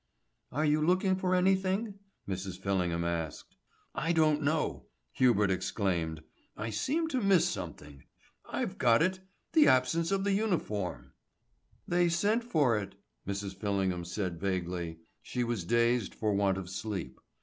"Are you looking for anything?" Mrs. Fillingham asked. "I don't know," Hubert exclaimed. "I seem to miss something. I've got it the absence of the uniform." "They sent for it," Mrs. Fillingham said vaguely. She was dazed for want of sleep.